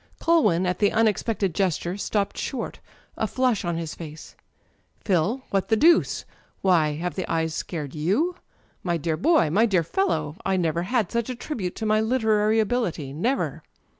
Culwin, at the unexpected gesture, stopped short, a flush on his face. "Phil â€" ^what the deuce? Why, have the eyes scared you ? My dear boyâ€" my de ar fellow â€" I never had such a tribute to my literary ability, never!"